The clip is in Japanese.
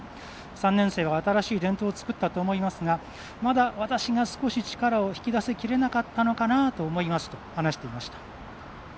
３年生は新しい伝統を作ったと思いますがまだ私が少し力を引き出しきれなかったと思いますと話していました。